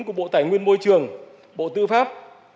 của bộ tài nguyên môi trường bộ tư pháp